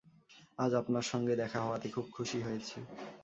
আজ আপনার সঙ্গে দেখা হওয়াতে খুব খুশি হয়েছি।